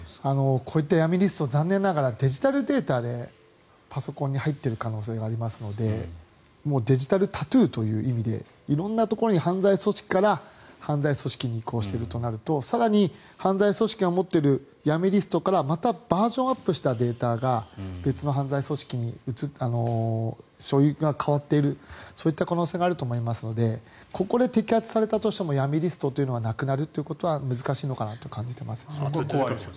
こういった闇リスト残念ながらデジタルデータでパソコンに入っている可能性がありますのでデジタルタトゥーという意味で色んなところに犯罪組織から犯罪組織に移行しているとなると更に犯罪組織が持っている闇リストからまたバージョンアップしたデータが別の犯罪組織に所有が変わっているそういった可能性があると思いますのでここで摘発されたとしても闇リストがなくなるのは難しいのかなと感じています。